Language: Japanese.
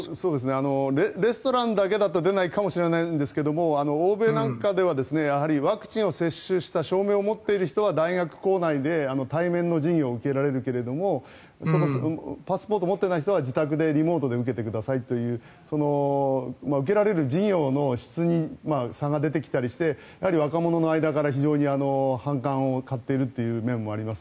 レストランだけだと出ないかもしれないですが欧米なんかではワクチンを接種した証明を持っている人は大学構内で対面授業を受けられるけどパスポート持ってない人は自宅でリモートで受けてくださいと受けられる授業の質に差が出てきたりしてやはり若者の間から非常に反感を買っているという面もあります。